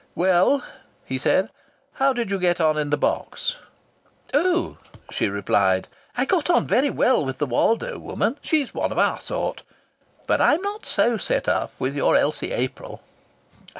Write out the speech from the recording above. "Well," he said, "how did you get on in the box?" "Oh!" she replied, "I got on very well with the Woldo woman. She's one of our sort. But I'm not so set up with your Elsie April."